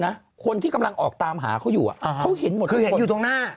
คนที่กำลังออกตามหาเขาอยู่อ่ะเขาเห็นหมดทุกคนอยู่ตรงหน้า